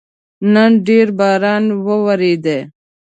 نن ډېر باران وورېده